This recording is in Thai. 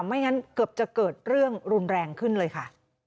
ไม่งั้นเกือบจะเกิดเรื่องรุนแรงขึ้นเลยค่ะ